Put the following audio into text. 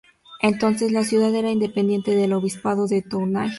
Entonces, la ciudad era dependiente del obispado de Tournai.